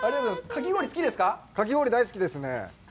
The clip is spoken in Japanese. かき氷、大好きですね。